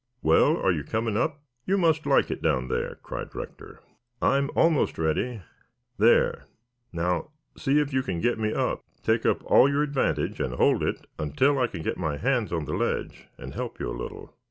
"Well, are you coming up? You must like it down there," cried Rector. "I'm almost ready. There, now see if you can get me up. Take up all your advantage and hold it until I can get my hands on the ledge and help you a little."